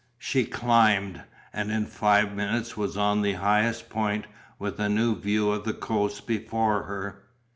She climbed, and in five minutes was on the highest point with a new view of the coast before her.